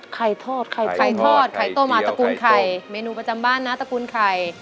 ไข่ทอดไข่ทอดไข่ต้มหมาตระกูลไข่เมนูประจำบ้านนะตระกูลไข่